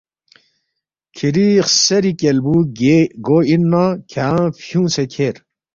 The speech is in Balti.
کِھری خسیری کیالبُو گو اِن نہ کھیانگ فیُونگسے کھیر